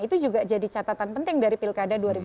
itu juga jadi catatan penting dari pilkada dua ribu dua puluh